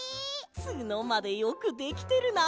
ツノまでよくできてるな。